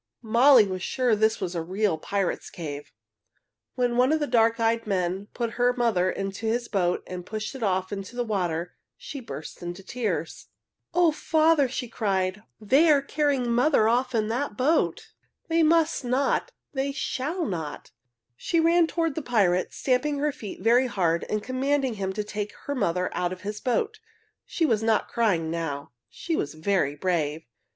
Molly was sure this was a real pirates' cave. When one of the dark eyed men put her mother into his boat and pushed it off into the water, she burst into tears. [Illustration: She ran toward the pirate, stamping her feet] "O father!" she cried. "They are carrying mother off in that boat! They must not! They shall not!" She ran toward the pirate, stamping her feet very hard and commanding him to take her mother out of his boat. She was not crying now. She was very brave.